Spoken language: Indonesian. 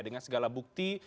dengan segala bukti